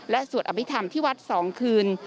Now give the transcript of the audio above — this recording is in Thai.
และสวดอบิธรรมที่วัดสองคืน